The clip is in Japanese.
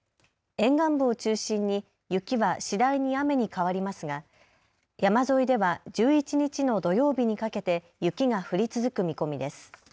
沿岸部を中心に雪は次第に雨に変わりますが山沿いでは１１日の土曜日にかけて雪が降り続く見込みです。